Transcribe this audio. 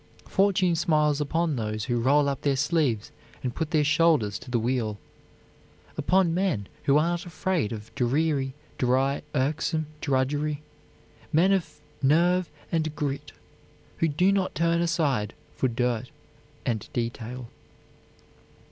Fortune smiles upon those who roll up their sleeves and put their shoulders to the wheel; upon men who are not afraid of dreary, dry, irksome drudgery, men of nerve and grit who do not turn aside for dirt and detail.